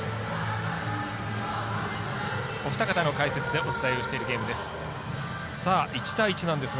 お二方の解説でお伝えをしているゲームです。